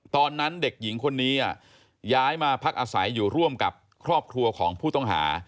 ตอนนั้นเด็กหญิงคนนี้ย้ายมาพักอาศัยอยู่ร่วมกับครอบครัวของผู้ต้องหา